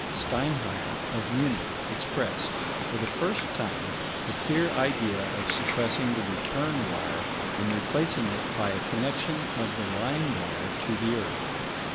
Steinheil of Munich expressed, for the first time, the clear idea of suppressing the return wire and replacing it by a connection of the line wire to the earth.